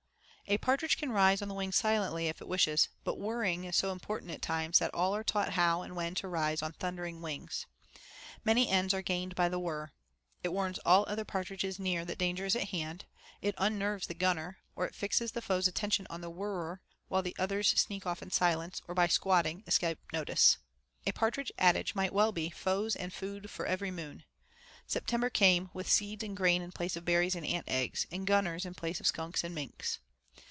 A partridge can rise on the wing silently if it wishes, but whirring is so important at times that all are taught how and when to rise on thundering wings. Many ends are gained by the whirr. It warns all other partridges near that danger is at hand, it unnerves the gunner, or it fixes the foe's attention on the whirrer, while the others sneak off in silence, or by squatting, escape notice. A partridge adage might well be 'foes and food for every moon.' September came, with seeds and grain in place of berries and ant eggs, and gunners in place of skunks and minks.